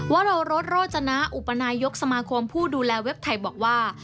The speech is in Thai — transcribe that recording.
วรรสโรจนะอุปนายกสมาคมผู้ดูแลเว็บไทยบอกว่า